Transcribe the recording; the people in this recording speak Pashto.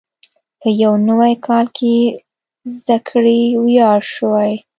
په یو نوي کال کې زده کړې وړیا شوې.